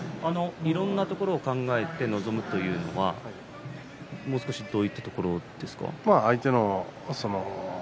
いろんなところを考えて臨むというのはもう少しどういったところですか。